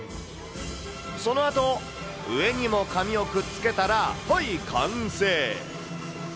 そのあと、上にも紙をくっつけたら、ほい、完成。